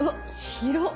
広っ！